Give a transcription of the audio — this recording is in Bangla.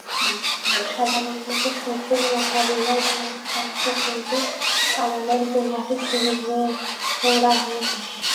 সাধারণত শত্রুর মোকাবিলায় ট্যাংক ধ্বংস করতে কামানের গোলাটি ছোড়া হয়ে থাকে।